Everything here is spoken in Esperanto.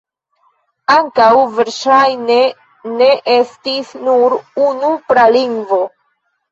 Ankaŭ verŝajne ne estis nur unu pralingvo.